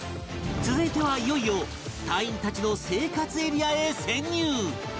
続いてはいよいよ隊員たちの生活エリアへ潜入